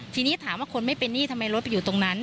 ทีนี้ถามว่าคนไม่เป็นหนี้ทำไมรถไปอยู่ตรงนั้น